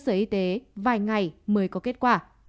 sở y tế vài ngày mới có kết quả